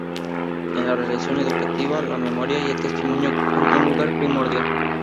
En la relación educativa la memoria y el testimonio ocupan un lugar primordial.